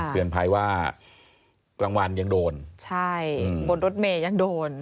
เตือนภัยว่ากลางวันยังโดน